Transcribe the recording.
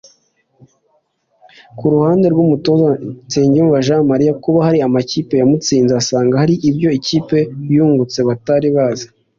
Ku ruhande rw’Umutoza Nsengiyumva Jean Marie kuba hari amakipe yamutsinze asanga hari ibyo ikipe yungutse batari bazi